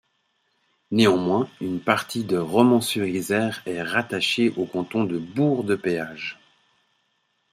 Néanmoins, une partie de Romans-sur-Isère est rattachée au canton de Bourg-de-Péage.